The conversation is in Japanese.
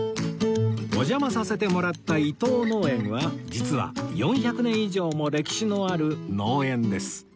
お邪魔させてもらった伊藤農園は実は４００年以上も歴史のある農園です